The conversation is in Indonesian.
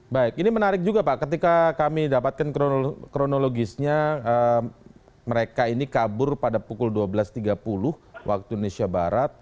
baik ini menarik juga pak ketika kami dapatkan kronologisnya mereka ini kabur pada pukul dua belas tiga puluh waktu indonesia barat